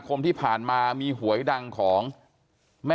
ความปลอดภัยของนายอภิรักษ์และครอบครัวด้วยซ้ำ